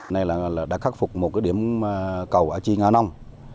này là đã khắc phục một cái điểm cầu ở chiên an nông